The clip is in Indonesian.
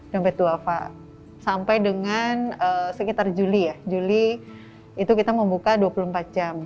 noppeduafa sampai sekitar juli kita membuka dua puluh empat jam